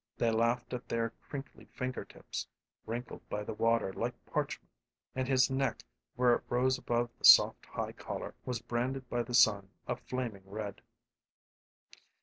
They laughed at their crinkly finger tips wrinkled by the water like parchment; and his neck, where it rose above the soft high collar, was branded by the sun a flaming red.